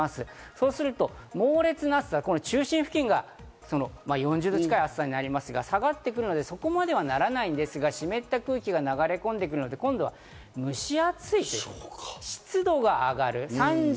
そうしますと猛烈な暑さ、中心付近が４０度近い暑さになりますが下がってくるので、そこまではならないんですが湿った空気が流れ込んでくるので、今度は蒸し暑い、湿度が上がる。